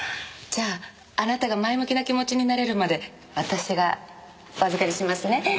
じゃああなたが前向きな気持ちになれるまで私がお預かりしますね。